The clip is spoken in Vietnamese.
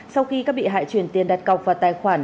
sau khi các bị hại chuyển tiền đặt cọc vào tài khoản